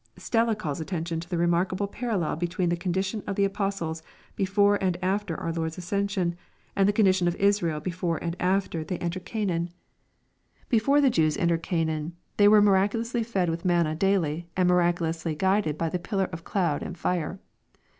Stella calls attention to the remarkable parallel between the condition of the apostles before and after our Lord's ascension, and the cc'ndition of Israe! before and after they entered Canaan LUKE, CHAP. XXII. 419 Before the J«ws entered Canaan, tbey were miraculoualyfed^ith manna daily, and miraculously guided by the pillar of cloud and fire.